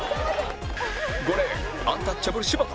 ５レーンアンタッチャブル柴田